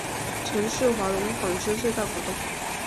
曾是华隆纺织最大股东。